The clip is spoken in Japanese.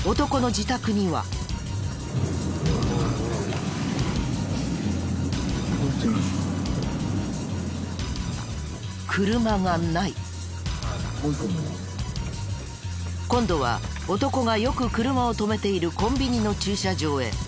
今度は男がよく車を止めているコンビニの駐車場へ。